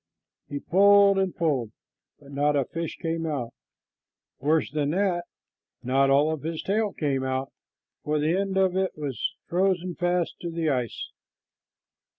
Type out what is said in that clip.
He pulled and pulled, but not a fish came out. Worse than that, not all of his tail came out, for the end of it was frozen fast to the ice.